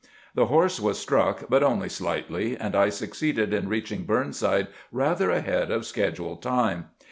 The horse was struck, but only slightly, and I succeeded in reaching Burnside rather ahead of schedule time.